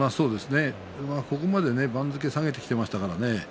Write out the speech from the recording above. ここまで番付を下げてきましたから